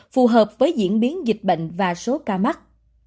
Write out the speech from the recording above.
phù hợp với diễn biến dịch bệnh và số ca mắc